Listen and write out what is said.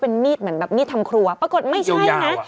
เป็นมีดเหมือนแบบมีดทำครัวปรากฏไม่ใช่นะ